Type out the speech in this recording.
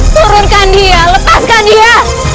turunkan dia lepaskan dia